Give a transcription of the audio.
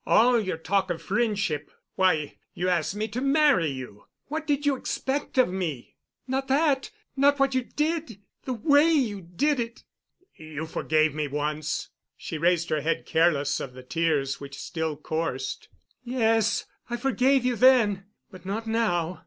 All your talk of friendship; why, you asked me to marry you. What did you expect of me?" "Not that—not what you did—the way you did it." "You forgave me once." She raised her head, careless of the tears which still coursed. "Yes, I forgave you then. But not now.